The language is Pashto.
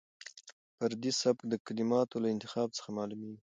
فردي سبک د کلماتو له انتخاب څخه معلومېږي.